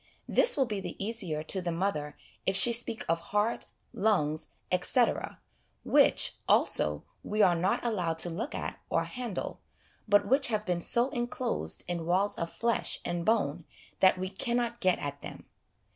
This will be the easier to the mother if she speak of heart, lungs, etc., which, also, we are not allowed to look at or handle, but which have been so enclosed in walls of flesh and bone that we cannot get at them.